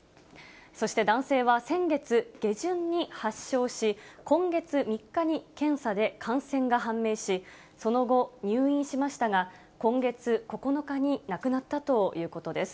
そして男性は、先月下旬に発症し、今月３日に検査で感染が判明し、その後、入院しましたが、今月９日に亡くなったということです。